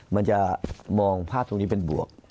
มันจะมองภาพตรงนี้เป็นบวก